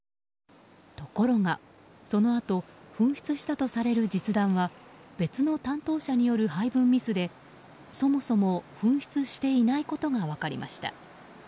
ところが、そのあと紛失したとされる実弾は別の担当者による配分ミスでそもそも紛失していないことが分かりました。